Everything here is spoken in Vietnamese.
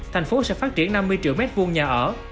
thành phố sẽ phát triển năm mươi triệu m hai nhà ở